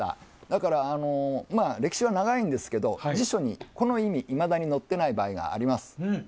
だから歴史は長いんですが辞書に、この意味がいまだに載っていない場合もあります。